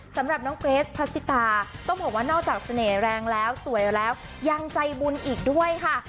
สำหรับน้องเกรสพัสสิตาต้องบอกว่านอกจากเสน่ห์แรงแล้วสวยแล้วยังใจบุญอีกด้วยค่ะ